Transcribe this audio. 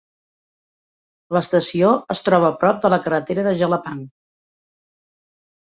L'estació es troba a prop de la carretera de Jelapang.